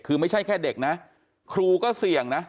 คือไม่ใช่แค่เด็กนะครูก็เสี่ยงนะ